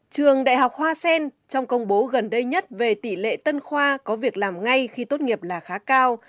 trường đại học hoa sen trong công bố gần đây nhất về tỷ lệ tân khoa có việc làm ngay khi tốt nghiệp là khá cao